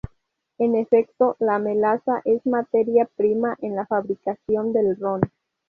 En efecto, la melaza es materia prima en la fabricación del ron.